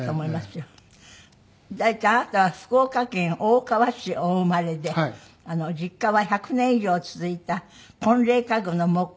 あなたは福岡県大川市お生まれで実家は１００年以上続いた婚礼家具の木工所で。